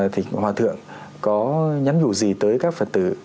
thì hòa thượng có nhắn dụ gì tới các phật tử